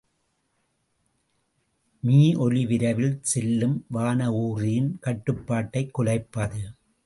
மீஒலி விரைவில் செல்லும் வானஊர்தியின் கட்டுப்பாட்டைக் குலைப்பது.